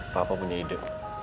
papa punya ide